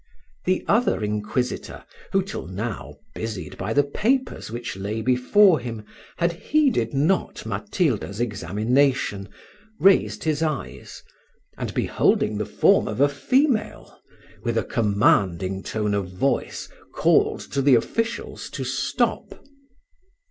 The other inquisitor, who, till now, busied by the papers which lay before him, had heeded not Matilda's examination, raised his eyes, and beholding the form of a female, with a commanding tone of voice, called to the officials to stop.